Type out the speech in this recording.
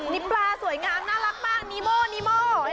นี่ปลาสวยงามน่ารักมากนิโมนีโม่